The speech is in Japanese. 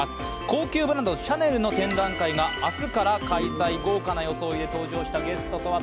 高級ブランド、シャネルの展覧会が明日から公開豪華な装いで登場したゲストとは？